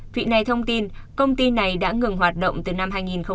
vị này thông tin công ty này đã ngừng hoạt động từ năm hai nghìn một mươi